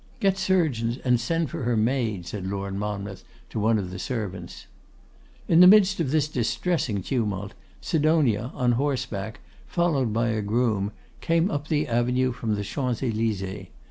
'Get surgeons and send for her maid,' said Lord Monmouth to one of his servants. In the midst of this distressing tumult, Sidonia, on horseback, followed by a groom, came up the avenue from the Champs Elysées.